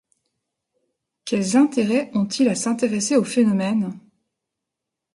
Quels intérêts ont-ils à s’intéresser au phénomène ?